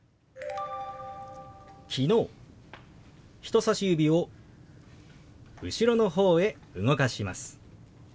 人さし指を後ろのほうへ動かします。